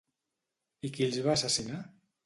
I qui els va assassinar?